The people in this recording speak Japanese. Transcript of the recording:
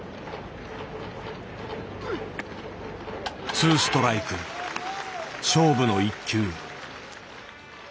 ツーストライク勝負の１球。